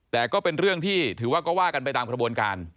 แต่ก็เป็นเรื่องที่ถือว่าก็ว่ากันไปตามกระบวนการ